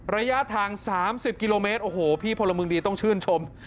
ระยะทาง๓๐กิโลเมตรโอ้โหพี่พลเมืองดีต้องชื่นชม